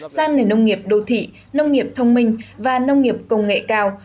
sang nền nông nghiệp đô thị nông nghiệp thông minh và nông nghiệp công nghệ cao